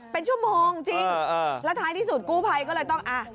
เป็นชั่วโมงจริงแล้วท้ายที่สุดกู้ภัยก็เลยต้องอ่ะ